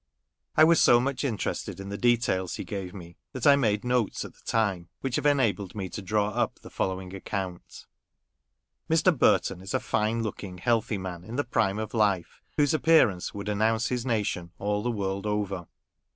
I was so much interested in the details he gave me, that I made notes at the time, which have enabled me to draw up the following account :— Mr. Burton is a fine looking healthy man, in the prime of life, whose appearance would announce his nation all the world over.